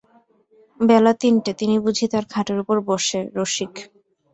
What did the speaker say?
বেলা তিনটে– তিনি বুঝি তাঁর খাটের উপর বসে– রসিক।